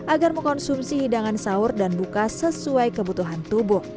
agar mengkonsumsi hidangan sahur dan buka sesuai kebutuhan tubuh